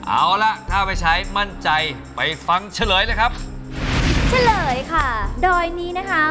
เอาล่ะถ้าไปใช้มั่นใจไปฟังเฉลยเลยครับเฉลยค่ะโดยนี้นะคะ